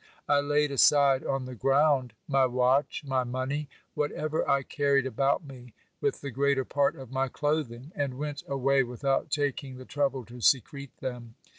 I laid aside on the ground my watch, my money, whatever I carried about me, with the greater part of my clothing, and went away without taking the trouble to secrete them.